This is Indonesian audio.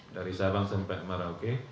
dari sabang sampai merauke